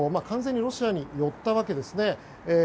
完全にロシアにのったわけですね。